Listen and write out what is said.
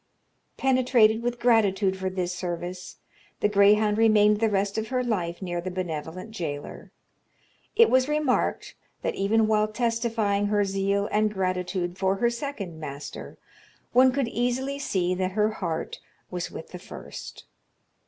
Penetrated with gratitude for this service, the greyhound remained the rest of her life near the benevolent jailor. It was remarked, that even while testifying her zeal and gratitude for her second master, one could easily see that her heart was with the first.